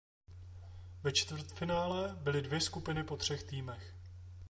Ve čtvrtfinále byly dvě skupiny po třech týmech.